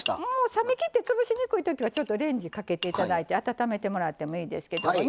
冷め切って潰しにくいときはレンジかけていただいて温めてもらってもいいですけどね。